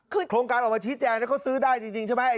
คือโครงการออกมาชี้แจงแล้วเขาซื้อได้จริงใช่ไหม